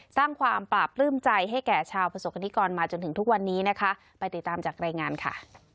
สร้างความปราบปลื้มใจให้แก่ชาวประสบกรณิกรมาจนถึงทุกวันนี้นะคะไปติดตามจากรายงานค่ะ